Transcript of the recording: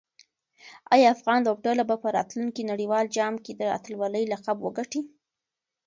آیا افغان لوبډله به په راتلونکي نړیوال جام کې د اتلولۍ لقب وګټي؟